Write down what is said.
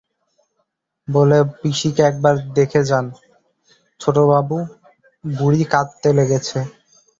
বলে, পিসিকে একবার দেখে যান ছোটবাবু, বুড়ি কাঁদতে লেগেছে।